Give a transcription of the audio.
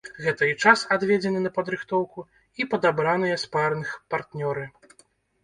Гэта і час, адведзены на падрыхтоўку, і падабраныя спарынг-партнёры.